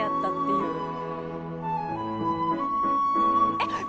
えっ！